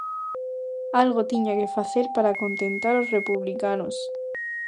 Algo tiña que facer para contentar aos republicanos.